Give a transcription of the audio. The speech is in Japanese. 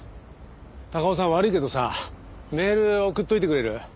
高尾さん悪いけどさメール送っておいてくれる？